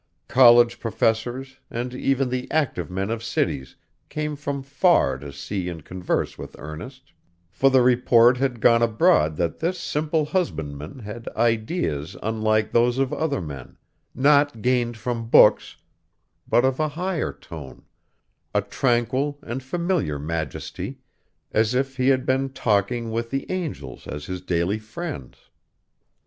College professors, and even the active men of cities, came from far to see and converse with Ernest; for the report had gone abroad that this simple husbandman had ideas unlike those of other men, not gained from books, but of a higher tone a tranquil and familiar majesty, as if he had been talking with the angels as his daily friends.